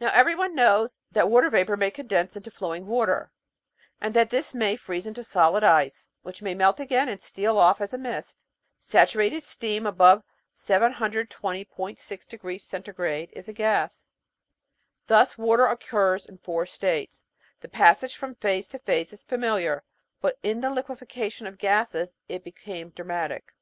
Now everyone knows that water vapour may condense into flowing water, and that this may freeze into solid ice, which may melt again and steal off as mist. Saturated steam above 720.6 C. is a gas. Thus water occurs in four states. The passage from phase to phase is familiar, but in the liquefaction of gases it became dramatic.